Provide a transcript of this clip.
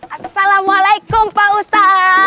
assalamualaikum pak ustadz